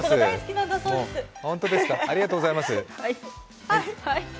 ありがとうございます。